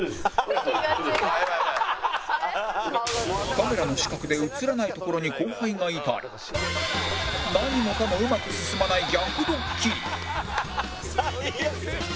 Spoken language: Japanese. カメラの死角で映らない所に後輩がいたり何もかもうまく進まない逆ドッキリ